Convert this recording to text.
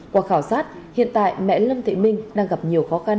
qua khảo sát hiện tại mẹ lâm thị minh đang gặp nhiều khó khăn